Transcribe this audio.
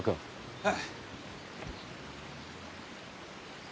はい！